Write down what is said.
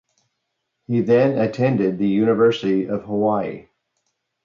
He then attended the University of Hawaii.